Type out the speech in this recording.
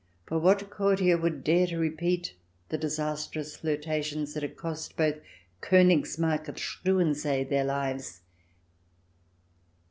For what courtier would dare to repeat the disastrous flirtations that had cost both KOnigsmarck and Struensee their lives